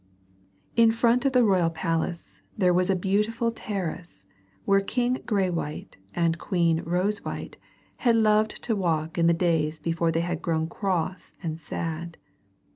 In front of the royal palace there was a beautiful terrace where King Graywhite and Queen Rosewhite had loved to walk in the days before they had grown cross and sad.